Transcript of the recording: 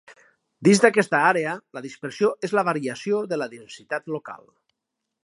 Dins d'aquesta àrea, la dispersió és la variació de la densitat local.